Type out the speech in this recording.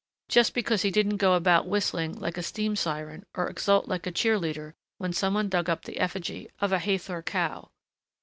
Just because he didn't go about whistling like a steam siren or exult like a cheer leader when some one dug up the effigy of a Hathor cow....